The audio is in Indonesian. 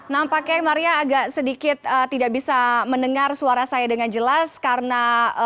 nampaknya maria agak sedikit tidak bisa mendengar suara saya dengan jelas karena